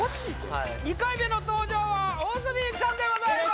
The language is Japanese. はい２回目の登場は大角ゆきさんでございます